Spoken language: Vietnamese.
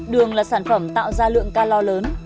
đường là sản phẩm tạo ra lượng ca lo lớn